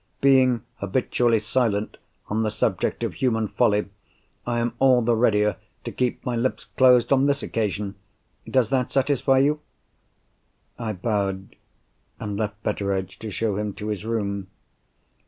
"Being habitually silent on the subject of human folly, I am all the readier to keep my lips closed on this occasion. Does that satisfy you?" I bowed, and left Betteredge to show him to his room.